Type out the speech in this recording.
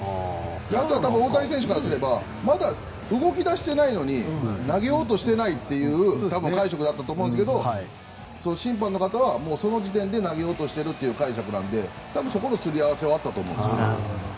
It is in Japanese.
多分、大谷選手からすればまだ動き出してないのに投げようとしていないっていう解釈だったと思うんですが審判の方はその時点で投げようとしてるという解釈なのでそこのすり合わせはあったと思います。